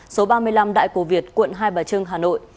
số ba mươi năm đại cổ việt quận hai bà trưng hà nội